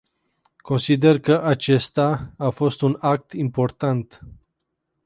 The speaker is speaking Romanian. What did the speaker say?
Consider că acesta a fost un act important.